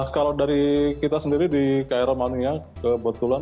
kalau dari kita sendiri di krl mania kebetulan